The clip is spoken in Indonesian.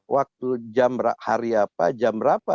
waktu jam hari apa jam berapa